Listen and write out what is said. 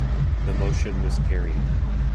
The motion was carried.